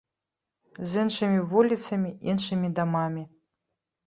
З іншымі вуліцамі, іншымі дамамі.